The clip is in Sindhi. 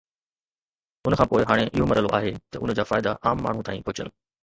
ان کان پوءِ هاڻي اهو مرحلو آهي ته ان جا فائدا عام ماڻهو تائين پهچن